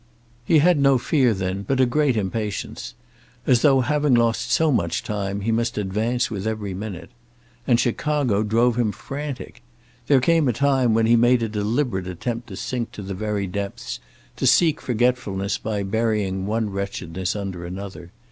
He had no fear, then, but a great impatience, as though, having lost so much time, he must advance with every minute. And Chicago drove him frantic. There came a time there when he made a deliberate attempt to sink to the very depths, to seek forgetfulness by burying one wretchedness under another.